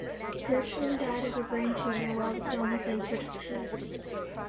Gershwin died of a brain tumor while the film was in production.